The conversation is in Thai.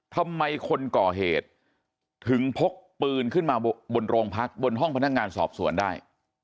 ทำไมคนก่อเหตุถึงพกปืนขึ้นมาบนโรงพักบนห้องพนักงานสอบสวนได้